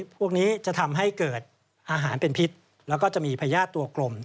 พวกนี้จะทำให้เกิดอาหารเป็นพิษแล้วก็จะมีพญาติตัวกลม